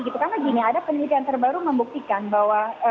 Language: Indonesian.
karena gini ada penelitian terbaru membuktikan bahwa